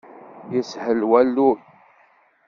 Ishel walluy.